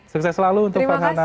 sukses selalu untuk farhana